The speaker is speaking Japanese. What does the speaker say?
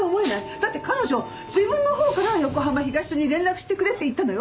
だって彼女自分のほうから横浜東署に連絡してくれって言ったのよ。